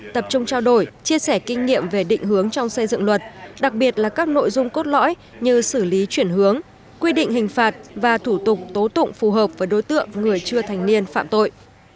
tập trung trao đổi chia sẻ kinh nghiệm về định hướng trong xây dựng luật đặc biệt là các nội dung cốt lõi như xử lý chuyển hướng quy định hình phạt và thủ tục tố tụng phù hợp với đối tượng người chưa thành niên phạm tội